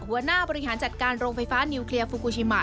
หัวหน้าบริหารจัดการโรงไฟฟ้านิวเคลียร์ฟูกูชิมะ